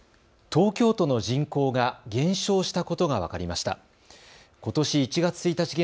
東京都の人口が減少したことが分かりました。